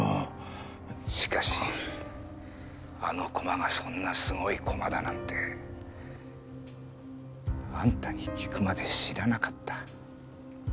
「しかしあの駒がそんなすごい駒だなんて」あんたに聞くまで知らなかった。